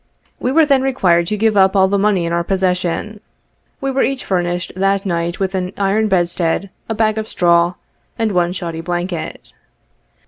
We were then required to give up all the money in our pos session. We were each furnished that night with an iron bedstead, a bag of straw, and one shoddy blanket.